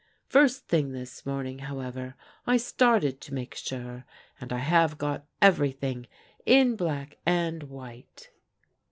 First thing this morning, however, I started to make sure, and I have got everything in black and white."